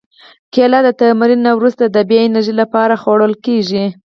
کېله د تمرین نه وروسته د بیا انرژي لپاره خوړل کېږي.